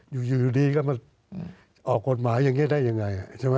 อยู่ดีก็มันออกกฎหมายังไงได้ยังไง